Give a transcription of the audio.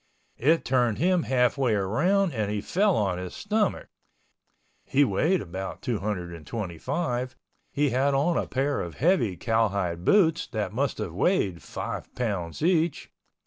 It turned him half way around and he fell on his stomach. He weighed about two hundred and twenty five, he had on a pair of heavy cowhide boots, that must have weighed five pounds each.